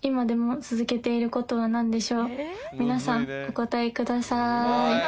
私が皆さんお答えください